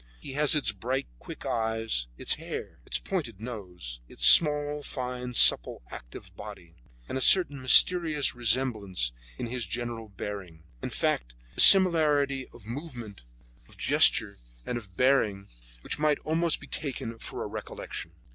He has its bright, quick eyes, its hair, its pointed nose, its small, fine, supple, active body, and a certain mysterious resemblance in his general bearing; in fact, a similarity of movement, of gesture, and of bearing which might almost be taken for a recollection.